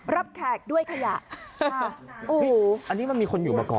รับแขกด้วยขยะอันนี้มันมีคนอยู่เหมือนกัน